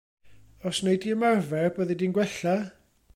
Os wnei di ymarfer, byddi di'n gwella.